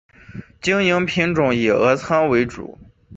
经营品种以俄餐为主。